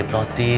ibu juga cerita